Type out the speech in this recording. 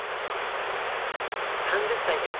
３０歳です。